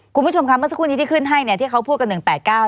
คุณผู้ชมค่ะเมื่อสักครู่นี้ที่ขึ้นให้เนี่ยที่เขาพูดกัน๑๘๙